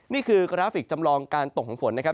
นี่คือกราฟิกจำลองการตกของฝนนะครับ